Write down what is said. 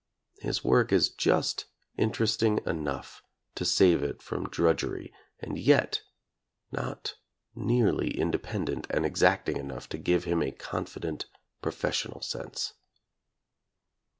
His work is just interesting enough to save it from drudgery, and yet not nearly independent and exacting enough to give him a confident professional sense.